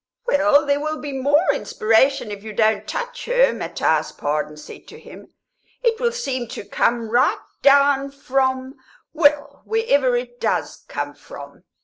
"Well, there will be more inspiration if you don't touch her," Matthias Pardon said to him. "It will seem to come right down from well, wherever it does come from."